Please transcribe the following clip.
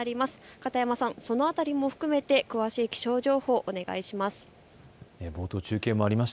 片山さん、その辺りも含めて詳しい気象情報、お願いします。